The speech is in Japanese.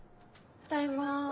ただいま。